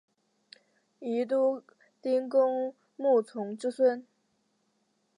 宜都丁公穆崇之孙。